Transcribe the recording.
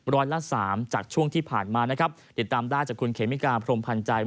ร้อยละสามจากช่วงที่ผ่านมานะครับติดตามได้จากคุณเขมิกาพรมพันธ์ใจ